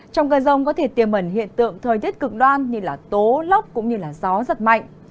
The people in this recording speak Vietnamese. trong cơn rông có thể tiềm ẩn hiện tượng thời tiết cực đoan như tố lóc cũng như gió rất mạnh